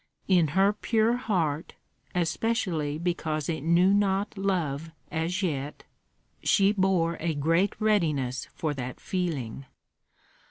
In her pure heart, especially because it knew not love as yet, she bore a great readiness for that feeling.